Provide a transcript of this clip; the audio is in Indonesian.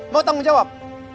mau tanggung jawab